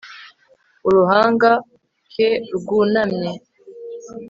Uruhanga k rwunamye